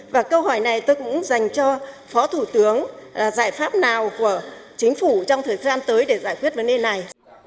và câu hỏi này tôi cũng dành cho phó thủ tướng giải pháp nào của chính phủ trong thời gian tới để giải quyết vấn đề này